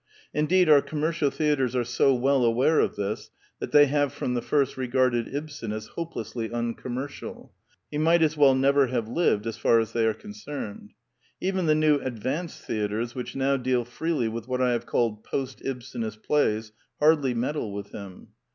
Indeed our commercial theatres are so well aware of this that they have from the first regarded Ibsen as hopelessly uncommercial: he might as well never have lived as far as they are con cerned. Even the new advanced theatres which now deal freely with what I have called post Ibsenist plays hardly meddle with him.